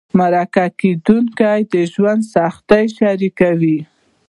مرکه کېدونکي د ژوند سختۍ شریکوي.